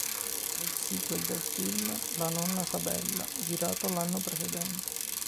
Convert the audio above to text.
È il sequel del film "La nonna Sabella" girato l'anno precedente.